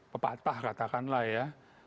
pepatah katakanlah ya